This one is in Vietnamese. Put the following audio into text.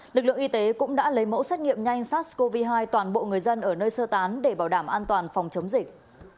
lực lượng y tế cũng đã lấy mẫu xét nghiệm nhanh sars cov hai toàn bộ người dân ở nơi sơ tán để bảo đảm an toàn phòng chống dịch